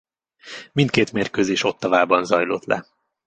Mindkét mérkőzés Ottawában zajlott le.